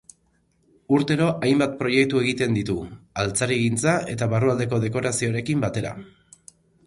Urtero hainbat proiektu egiten ditu, altzarigintza eta barrualdeko dekorazioarekin batera.